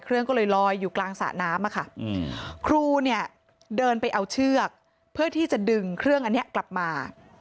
เครื่องก็เลยลอยอยู่กลางสระน้ำอะค่ะครูเนี่ยเดินไปเอาเชือกเพื่อที่จะดึงเครื่องอันนี้กลับมา